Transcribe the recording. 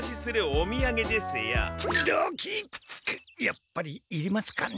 やっぱりいりますかね？